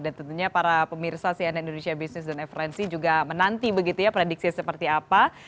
dan tentunya para pemirsa cnn indonesia business dan referensi juga menanti begitu ya prediksi seperti apa